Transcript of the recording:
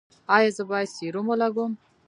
ایا زه باید سیروم ولګوم؟